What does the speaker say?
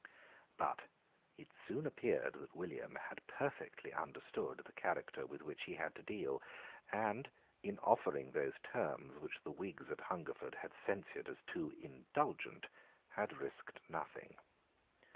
But it soon appeared that William had perfectly understood the character with which he had to deal, and, in offering those terms which the Whigs at Hungerford had censured as too indulgent, had risked nothing.